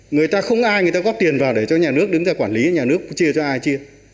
người ta không ai người ta góp tiền vào để cho nhà nước đứng ra quản lý nhà nước chia cho ai chia